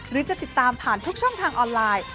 หรือจะติดตามผ่านทุกช่องทางออนไลน์